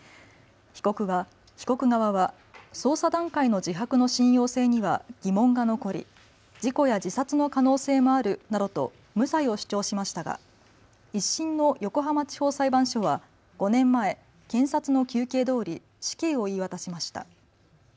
被告側は捜査段階の自白の信用性には疑問が残り事故や自殺の可能性もあるなどと無罪を主張しましたが１審の横浜地方裁判所は５年前、検察の求刑どおり死刑を言い渡しました。